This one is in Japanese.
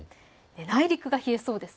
内陸は冷えそうです。